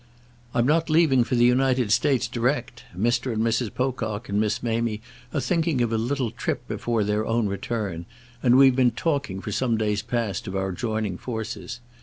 "I'm not leaving for the United States direct. Mr. and Mrs. Pocock and Miss Mamie are thinking of a little trip before their own return, and we've been talking for some days past of our joining forces.